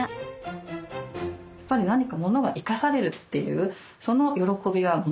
やっぱり何か物が生かされるっていうその喜びはものすごくあります。